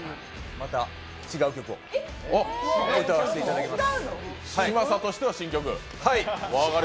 また違う曲を歌わせていただきます。